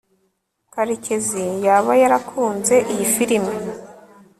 karekezi yaba yarakunze iyi firime